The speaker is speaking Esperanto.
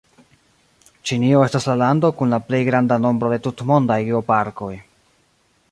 Ĉinio estas la lando kun la plej granda nombro de tutmondaj geoparkoj.